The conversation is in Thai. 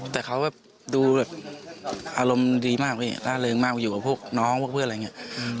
แต่เขาแบบดูแบบอารมณ์ดีมากพี่ล่าเริงมากมาอยู่กับพวกน้องพวกเพื่อนอะไรอย่างนี้